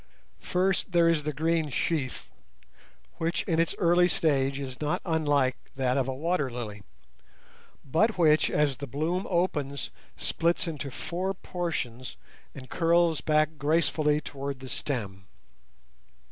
First there is the green sheath, which in its early stage is not unlike that of a water lily, but which as the bloom opens splits into four portions and curls back gracefully towards the stem.